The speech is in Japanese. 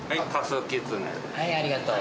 はいありがとう。